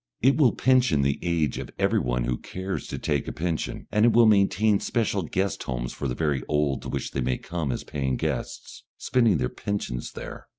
It will pension the age of everyone who cares to take a pension, and it will maintain special guest homes for the very old to which they may come as paying guests, spending their pensions there.